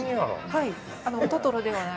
◆はい。